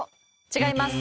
違います。